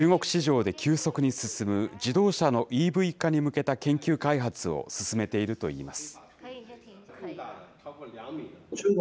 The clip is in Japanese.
早くもポストコロナを見据え、中国市場で急速に進む自動車のＥＶ化に向けた研究開発を進めているといいます。